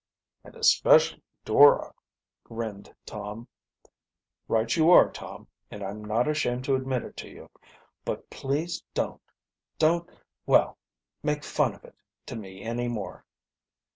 "And especially Dora," grinned Tom. "Right you are, Tom, and I am not ashamed to admit it to you. But please don't don't well, make fun of it to me any more."